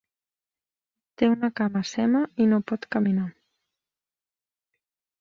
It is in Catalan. Té una cama sema i no pot caminar.